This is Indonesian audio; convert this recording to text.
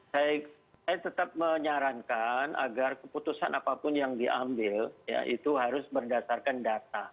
saya tetap menyarankan agar keputusan apapun yang diambil ya itu harus berdasarkan data